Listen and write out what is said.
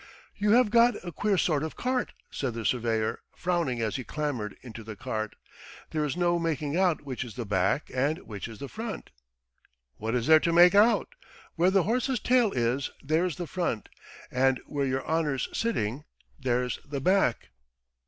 "You have got a queer sort of cart!" said the surveyor, frowning as he clambered into the cart. "There is no making out which is the back and which is the front." "What is there to make out? Where the horse's tail is, there's the front, and where your honour's sitting, there's the back."